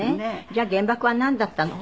じゃあ原爆はなんだったの？